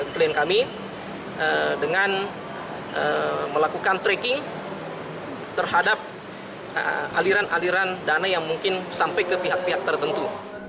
klien kami dengan melakukan tracking terhadap aliran aliran dana yang mungkin sampai ke pihak pihak tertentu